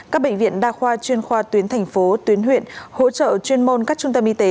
các bệnh viện đa khoa chuyên khoa tuyến thành phố tuyến huyện hỗ trợ chuyên môn các trung tâm y tế